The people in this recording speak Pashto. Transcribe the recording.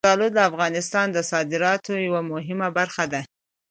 زردالو د افغانستان د صادراتو یوه مهمه برخه ده.